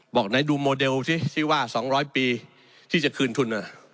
บอกไหนดูโมเดลสิซิว่า๒๐๐ปีที่จะคืนทุน